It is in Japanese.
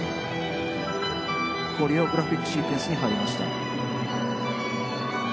コレオグラフィックシークエンスに入りました。